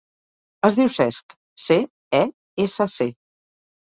Es diu Cesc: ce, e, essa, ce.